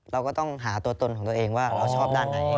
เราก็ต้องหาตัวตนของตัวเองว่าเราชอบด้านไหน